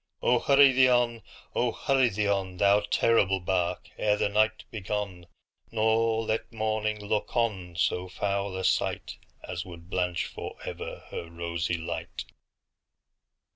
Oh! hurry thee on,—oh! hurry thee on, Thou terrible bark, ere the night be gone, Nor let morning look on so foul a sightAs would blanch forever her rosy light!